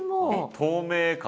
透明感も。